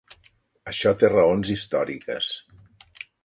Això té raons històriques.